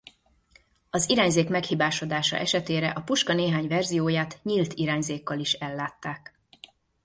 Az irányzék meghibásodása esetére a puska néhány verzióját nyílt irányzékkal is ellátták.